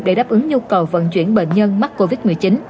để đáp ứng nhu cầu vận chuyển bệnh nhân mắc covid một mươi chín